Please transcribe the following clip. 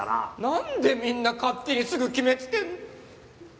なんでみんな勝手にすぐ決めつける。